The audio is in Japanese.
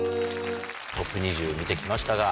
トップ２０見て来ましたが。